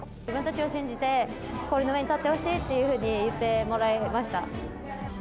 自分たちを信じて、氷の上に立ってほしいっていうふうに言ってもらいました。